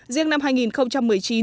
riêng năm hai nghìn một mươi chín